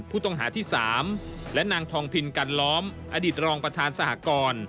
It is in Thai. ผู้ต้องหาที่๓และนางทองพินกันล้อมอดีตรองประธานสหกร